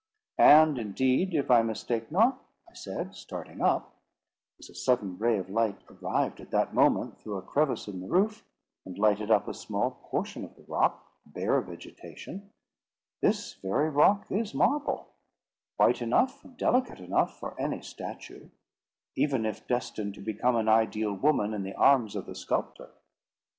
And, indeed, if I mistake not," I said, starting up, as a sudden ray of light arrived at that moment through a crevice in the roof, and lighted up a small portion of the rock, bare of vegetation, "this very rock is marble, white enough and delicate enough for any statue, even if destined to become an ideal woman in the arms of the sculptor."